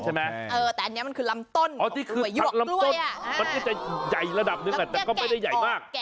ใช่ไหมแต่อันนี้มันคือลำต้นอ๋อนี่คือลำต้นมันก็จะใหญ่ระดับหนึ่งแต่ก็ไม่ได้ใหญ่มาก